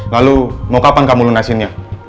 lalu mau kapan kamu lunasinnya